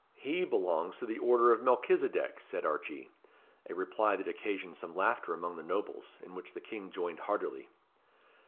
"He belongs to the order of Melchisedec," said Archee. A reply that occasioned some laughter among the nobles, in which the King joined heartily.